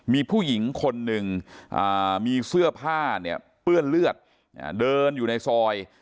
มีผู้หญิงคน๑มีเสื้อผ้าเปื้อนเลือดเดินอยู่ในซอย